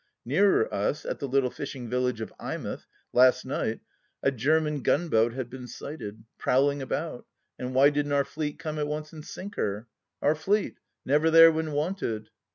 Nearer us, at the little fishing village of Eyemouth, last night, a German gunboat had been sighted, prowling about, and why didn't our Fleet come at once and sink her ? Our Fleet, never there when wanted